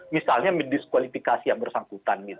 misalnya diskualifikasi yang bersangkutan